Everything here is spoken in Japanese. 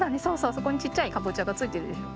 そこにちっちゃいかぼちゃがついてるでしょ？